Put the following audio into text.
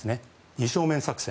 二正面作戦。